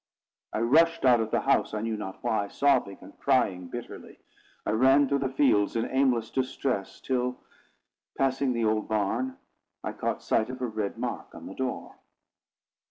I rushed out of the house, I knew not why, sobbing and crying bitterly. I ran through the fields in aimless distress, till, passing the old barn, I caught sight of a red mark on the door.